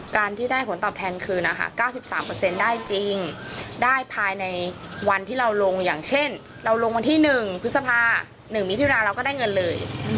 การที่ได้ผลตอบแทนคืนนะคะ๙๓ได้จริงได้ภายในวันที่เราลงอย่างเช่นเราลงวันที่๑พฤษภา๑มิถุนาเราก็ได้เงินเลย